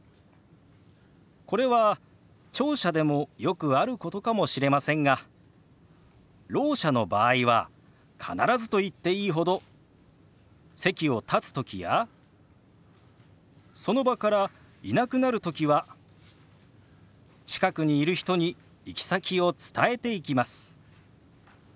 これは聴者でもよくあることかもしれませんがろう者の場合は必ずと言っていいほど席を立つときやその場からいなくなるときは近くにいる人に行き先を伝えていきます。